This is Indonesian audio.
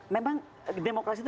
memang demokrasi itu